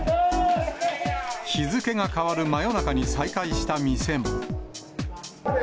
日付が変わる真夜中に再開した店も。